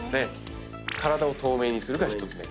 体を透明にするが１つ目。